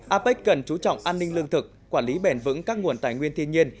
apec cần chú trọng an ninh lương thực quản lý bền vững các nguồn tài nguyên thiên nhiên